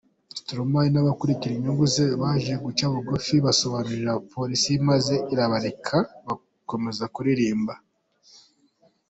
Stromae n’abakurikirana inyungu ze baje guca bugufi basobanurira polisi maze irabareka bakomeza kuririmba.